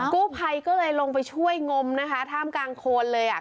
กู้ภัยก็เลยลงไปช่วยงมท่ามกลางคนเลย